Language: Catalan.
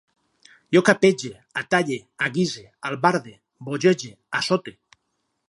Jo capege, atalle, aguise, albarde, bogege, assote